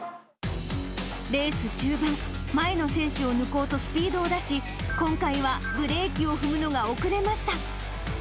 レース中盤、前の選手を抜こうとスピードを出し、今回はブレーキを踏むのが遅れました。